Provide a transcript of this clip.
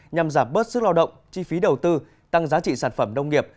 nhằm giảm bớt sức lao động chi phí đầu tư tăng giá trị sản phẩm nông nghiệp